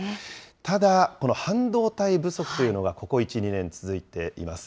ただ、この半導体不足というのがここ１、２年、続いています。